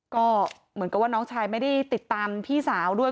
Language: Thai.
ก็เหมือนกับว่าน้องชายไม่ได้ติดตามพี่สาวด้วย